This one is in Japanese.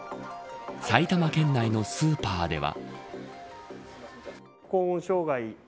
埼玉県内のスーパーでは。